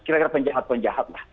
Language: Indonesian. kira kira penjahat penjahat lah